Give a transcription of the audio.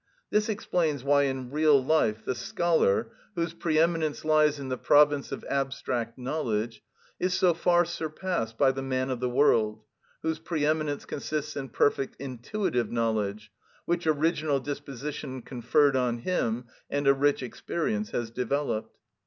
This explains why in real life the scholar, whose pre eminence lies in the province of abstract knowledge, is so far surpassed by the man of the world, whose pre eminence consists in perfect intuitive knowledge, which original disposition conferred on him, and a rich experience has developed.